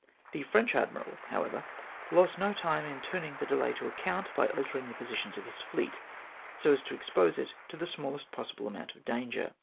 The French admiral, however, lost no time in turning the delay to account, by altering the positions of his fleet, so as to expose it to the smallest possible amount of danger.